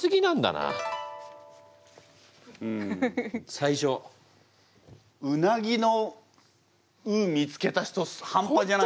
最初うなぎの「う」見つけた人半端じゃないですね。